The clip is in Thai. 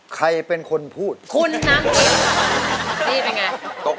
ใครเป็นคนพูดคุณน้ำทิ้งนี่เป็นไง